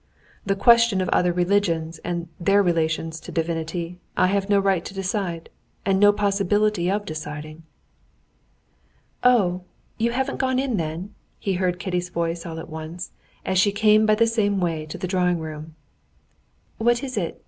The question of other religions and their relations to Divinity I have no right to decide, and no possibility of deciding." "Oh, you haven't gone in then?" he heard Kitty's voice all at once, as she came by the same way to the drawing room. "What is it?